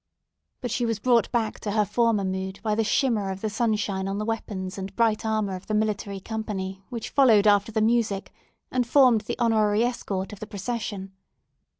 But she was brought back to her former mood by the shimmer of the sunshine on the weapons and bright armour of the military company, which followed after the music, and formed the honorary escort of the procession.